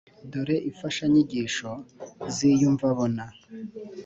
dore imfashanyigisho z’iyumvabona,